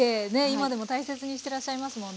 今でも大切にしてらっしゃいますもんね